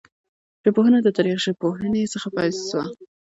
ژبپوهنه د تاریخي ژبپوهني څخه پیل سوه.